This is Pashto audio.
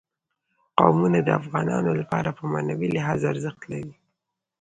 قومونه د افغانانو لپاره په معنوي لحاظ ارزښت لري.